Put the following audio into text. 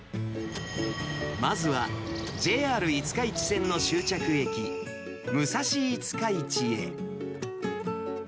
まずはＪＲ五日市線の終着駅、武蔵五日市へ。